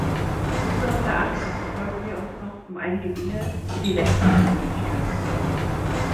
Unseres Erachtens sollten wir uns noch um einige Dinge wie die Rechtspersönlichkeit kümmern.